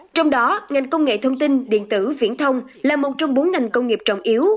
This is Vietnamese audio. trong đó ngành công nghệ thông tin điện tử viễn thông là một trong bốn ngành công nghiệp trọng yếu